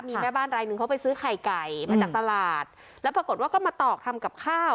มีแม่บ้านรายหนึ่งเขาไปซื้อไข่ไก่มาจากตลาดแล้วปรากฏว่าก็มาตอกทำกับข้าว